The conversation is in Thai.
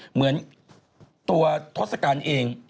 เหมือนตัวทศกัณฐ์เอง